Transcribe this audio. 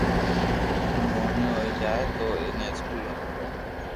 جيڻي موٽو ھوئي جائي تو ائني اسڪول سوري